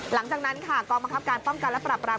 หลังจากนั้นค่ะกองบังคับการป้องกันและปรับราม